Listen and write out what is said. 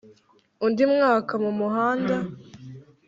undi mwaka mumuhanda